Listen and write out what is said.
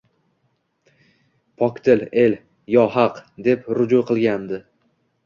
Pokdil el «Yo haq!» deb ruju qilganda